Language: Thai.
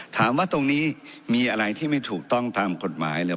ถามว่าตรงนี้มีอะไรที่ไม่ถูกต้องตามกฎหมายหรือ